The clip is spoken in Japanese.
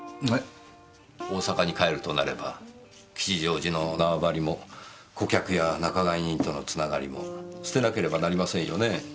大阪に帰るとなれば吉祥寺の縄張りも顧客や仲買人とのつながりも捨てなければなりませんよねぇ。